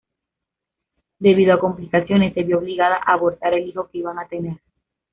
Debido a complicaciones, se vio obligada a abortar al hijo que iban a tener.